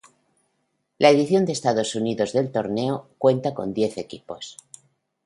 La edición de Estados Unidos del torneo cuenta con diez equipos.